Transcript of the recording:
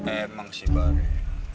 emang sih bar ya